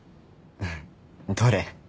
どれ？